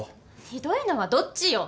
ひどいのはどっちよ。